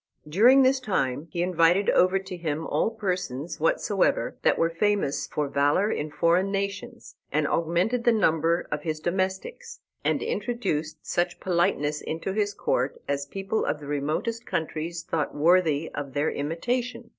During this time he invited over to him all persons whatsoever that were famous for valor in foreign nations, and augmented the number of his domestics, and introduced such politeness into his court as people of the remotest countries thought worthy of their imitation.